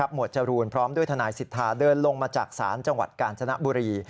วดจรูนพร้อมด้วยทนายสิทธาเดินลงมาจากศาลจังหวัดกาญจนบุรี